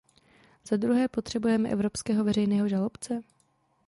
Zadruhé, potřebujeme evropského veřejného žalobce?